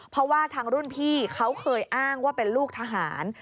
เพราะว่าทางรุ่นพี่เขาเคยอ้างว่าเป็นลูกทหาร